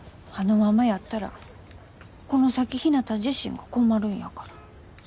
あのままやったらこの先ひなた自身が困るんやから。